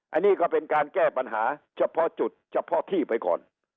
อันนี้ก็เป็นการแก้ปัญหาเฉพาะจุดเฉพาะที่ไปก่อน